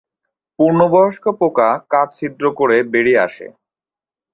পূর্ণবয়স্ক পোকা কাঠ ছিদ্র করে বেরিয়ে আসে।